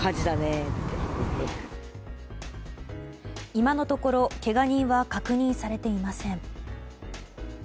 今のところけが人は確認されていません。